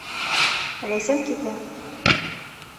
Ләйсән китә.